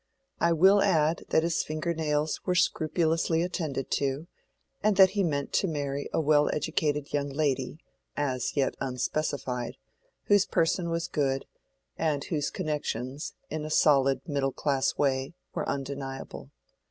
I will add that his finger nails were scrupulously attended to, and that he meant to marry a well educated young lady (as yet unspecified) whose person was good, and whose connections, in a solid middle class way, were undeniable.